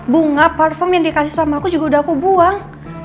bunga platform yang dikasih sama aku juga udah aku buang